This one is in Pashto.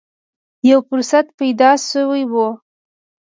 یو فرصت پیدا شوې و